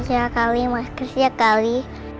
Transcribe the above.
masya allah mas chris ya kali